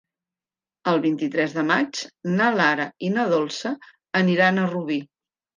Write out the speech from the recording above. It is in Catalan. El vint-i-tres de maig na Lara i na Dolça aniran a Rubí.